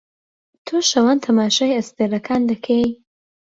تۆ شەوان تەماشای ئەستێرەکان دەکەی؟